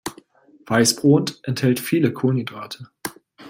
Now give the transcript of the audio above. Weißbrot enthält viele Kohlenhydrate.